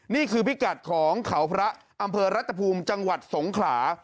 นี่คือพิกัดของเขาพระอำเภอรัฐภูมิจังหวัดสงขลา